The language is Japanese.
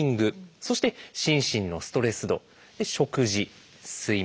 そして「心身のストレス度」「食事」「睡眠」